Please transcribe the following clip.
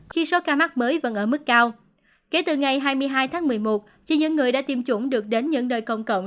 khi số ca mắc mới vẫn ở mức cao kể từ ngày hai mươi hai tháng một mươi một chỉ những người đã tiêm chủng được đến những nơi công cộng